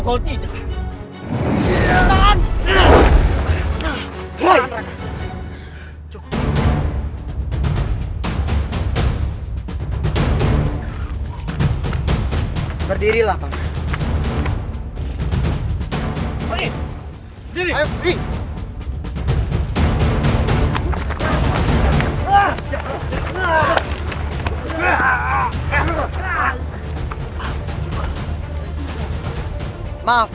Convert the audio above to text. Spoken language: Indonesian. aku akan menangkanmu